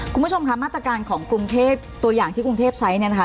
คุณผู้ชมค่ะมาตรการของกรุงเทพตัวอย่างที่กรุงเทพใช้เนี่ยนะคะ